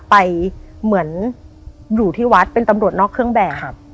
เหมือนอยู่ที่วัดเป็นตำรวจนอกเครื่องแบบ